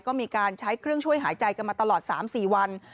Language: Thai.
ก็มีการใช้เครื่องช่วยหายใจกันมาตลอด๓๔วัน